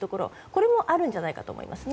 これもあるんじゃないかと思います。